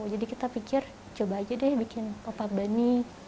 jadi kita pikir coba aja deh bikin pop up bunny